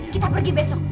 kita pergi besok